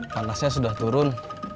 mantasnya sudah turun